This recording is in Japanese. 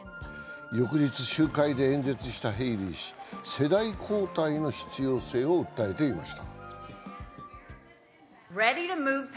翌日、集会で演説したヘイリー氏、世代交代の必要性を訴えていました。